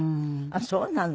あっそうなの？